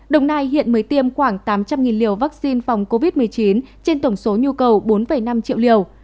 đồng nai hiện mới tiêm khoảng tám trăm linh liều vaccine phòng covid một mươi chín trên tổng số nhu cầu bốn năm triệu liều